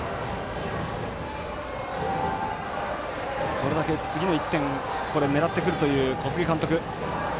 それだけ次の１点狙ってくるという小菅監督。